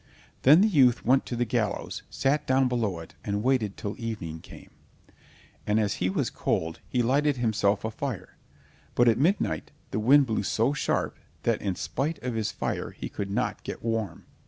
Then the youth went to the gallows, sat down below it, and waited till evening came. And as he was cold, he lighted himself a fire, but at midnight the wind blew so sharp that in spite of his fire he could not get warm.